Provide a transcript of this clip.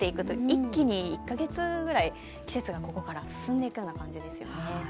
一気に１か月くらい季節がここから進んでいくような感じですよね。